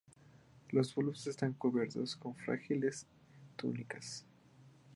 Los bulbos están cubiertos con frágiles túnicas.